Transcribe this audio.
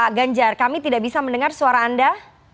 pak ganjar kami tidak bisa mendengar suara anda